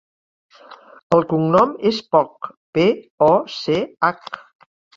El cognom és Poch: pe, o, ce, hac.